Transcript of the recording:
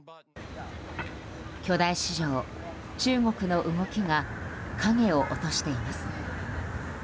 巨大市場、中国の動きが影を落としています。